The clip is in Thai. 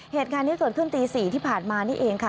เหตุการณ์นี้เกิดขึ้นตี๔ที่ผ่านมานี่เองค่ะ